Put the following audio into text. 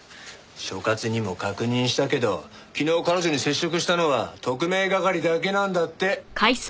所轄にも確認したけど昨日彼女に接触したのは特命係だけなんだって。